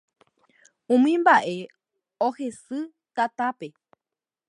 Umi mbaʼe ohesy tatápe.